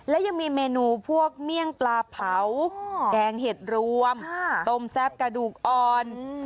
และยังมีเมนูพวกเมี่ยงปลาเผาแกงเห็ดรวมต้มแซ่บกระดูกอ่อน